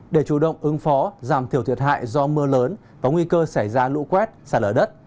để chủ động ứng phó giảm thiểu thiệt hại do mưa lớn và nguy cơ xảy ra lũ quét xả lở đất